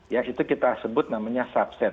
ya itu kita sebut namanya subset